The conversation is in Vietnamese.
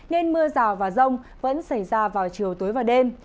nên mưa rào và rông vẫn xảy ra vào chiều tối và đêm